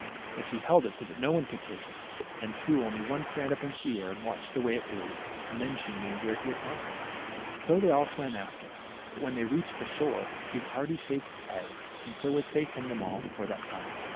But she held it so that no one could take it, and threw one strand up in the air, and watched the way it blew, and then she knew where, he had gone. So they all swam after, but when they reached the shore, he had already shaved his head, and so was safe from them all for that time.